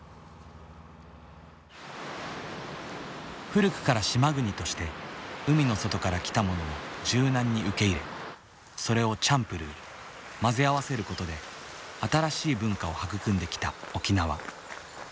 古くから島国として海の外から来たものを柔軟に受け入れそれをチャンプルー混ぜ合わせることで新しい文化を育んできた沖縄。